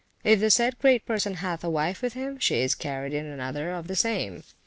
If the said great person hath a wife with him, she is carried in another of the same.